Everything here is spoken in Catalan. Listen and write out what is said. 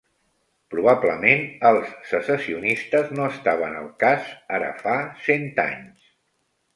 Probablement els secessionistes no estaven al cas ara fa cent anys.